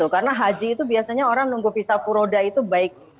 karena haji itu biasanya orang nunggu visa puroda itu baik